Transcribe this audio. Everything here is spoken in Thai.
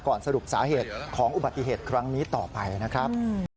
สรุปสาเหตุของอุบัติเหตุครั้งนี้ต่อไปนะครับ